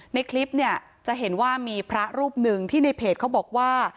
ในคลิปเนี่ยจะเห็นว่ามีพระรูปหนึ่งที่ในเพจเขาบอกว่า